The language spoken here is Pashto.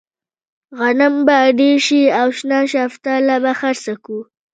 غنم به ډېر شي او شنه شفتله به خرڅه کړو.